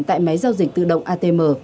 tại máy giao dịch tự động atm